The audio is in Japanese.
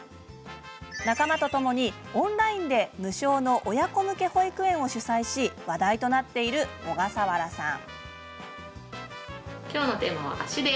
仲間とともにオンラインで無償の親子向け保育園を主催し話題となっている小笠原さん。